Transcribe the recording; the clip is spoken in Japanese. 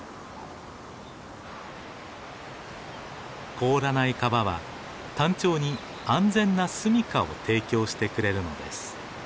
凍らない川はタンチョウに安全なすみかを提供してくれるのです。